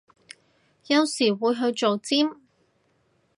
有時會去做尖